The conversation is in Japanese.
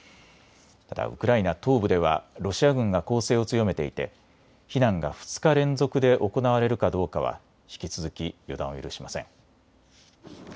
ただウクライナ東部ではロシア軍が攻勢を強めていて避難が２日連続で行われるかどうかは引き続き予断を許しません。